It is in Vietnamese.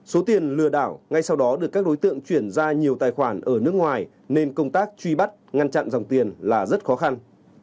số tiền lừa đảo ngay sau đó được các đối tượng chuyển ra nhiều tài khoản ở nước ngoài nên công tác truy bắt ngăn chặn dòng tiền là rất khó khăn